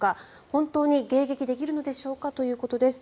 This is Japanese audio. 本当に迎撃できるのでしょうかということです。